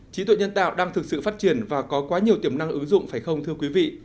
trí tuệ nhân tạo đang thực sự phát triển và có quá nhiều tiềm năng ứng dụng phải không thưa quý vị